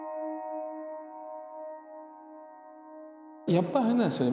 やっぱあれなんですよね